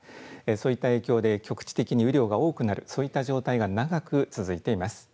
そういった影響で局地的に雨量が多くなる、そういった状態が長く続いています。